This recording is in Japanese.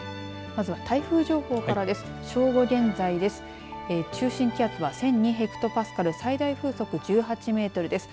まずは台風情報からです。